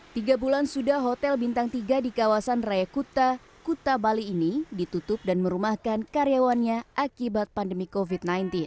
tiga bulan sudah hotel bintang tiga di kawasan raya kuta kuta bali ini ditutup dan merumahkan karyawannya akibat pandemi covid sembilan belas